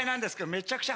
めちゃくちゃ。